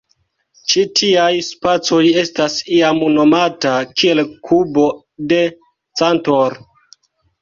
Ĉi tiaj spacoj estas iam nomata kiel kubo de Cantor.